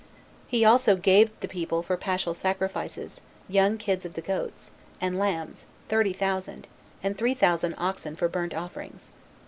He also gave the people for paschal sacrifices, young kids of the goats, and lambs, thirty thousand, and three thousand oxen for burnt offerings.